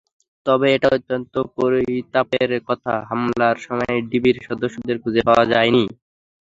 তবে এটা অত্যন্ত পরিতাপের কথা, হামলার সময় ডিবির সদস্যদের খুঁজে পাওয়া যায়নি।